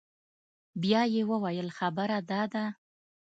بيا يې وويل خبره دا ده.